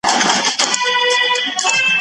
بايد ژبه د رسول الله د هدايت سره سمه کنټرول سي.